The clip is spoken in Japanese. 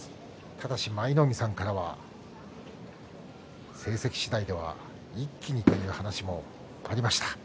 ただし舞の海さんからは成績次第では一気にという話もありました。